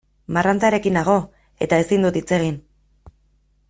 Marrantarekin nago eta ezin dut hitz egin.